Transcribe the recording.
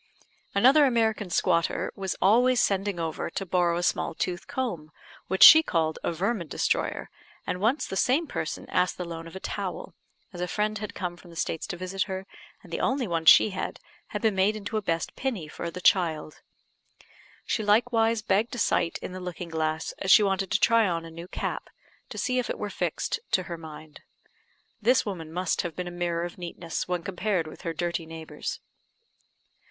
Another American squatter was always sending over to borrow a small tooth comb, which she called a vermin destroyer; and once the same person asked the loan of a towel, as a friend had come from the States to visit her, and the only one she had, had been made into a best "pinny" for the child; she likewise begged a sight in the looking glass, as she wanted to try on a new cap, to see if it were fixed to her mind. This woman must have been a mirror of neatness when compared with her dirty neighbours.